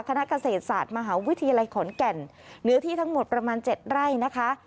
คณะเกษตรศาสตร์มหาวิทยาลัยขอนแก่นเนื้อที่ทั้งหมดประมาณ๗ไร่นะคะ